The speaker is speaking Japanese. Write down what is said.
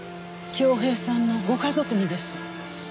郷平さんのご家族にです。